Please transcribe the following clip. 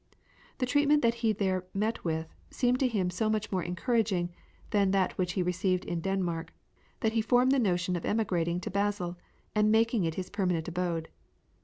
The treatment that he there met with seemed to him so much more encouraging than that which he received in Denmark that he formed the notion of emigrating to Basle and making it his permanent abode.